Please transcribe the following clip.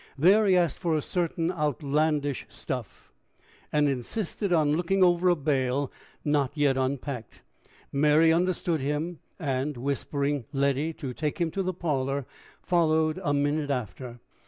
There he asked for a certain outlandish stuff, and insisted on looking over a bale not yet unpacked. Mary understood him, and, whispering Letty to take him to the parlor, followed a minute after.